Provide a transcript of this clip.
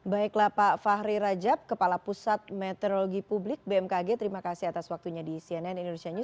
baiklah pak fahri rajab kepala pusat meteorologi publik bmkg terima kasih atas waktunya diisi